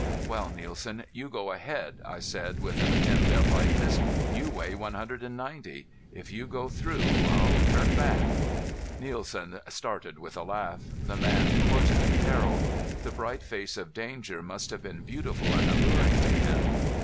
"Well, Nielsen, you go ahead," I said, with an attempt at lightness. "You weigh one hundred and ninety. If you go through I'll turn back!" Nielsen started with a laugh. The man courted peril. The bright face of danger must have been beautiful and alluring to him.